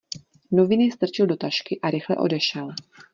Noviny strčil do tašky a rychle odešel.